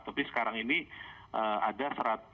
tapi sekarang ini ada satu ratus delapan puluh lima